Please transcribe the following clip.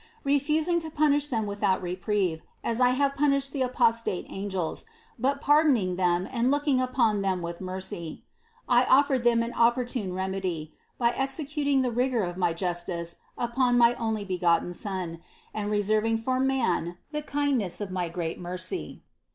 Refusing to punish them without reprieve, as I have punished the apostate angels, but pardoning them and looking upon THE CONCEPTION 77 them with mercy, I offered them an opportune remedy by executing the rigor of my justice upon my onlybe gotten Son and reserving for man the kindness of my great mercy."